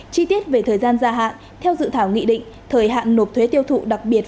chi tiết về thời gian gia hạn theo dự thảo nghị định thời hạn nộp thuế tiêu thụ đặc biệt